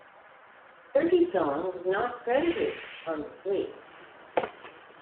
"Turkey Song" was not credited on the sleeve.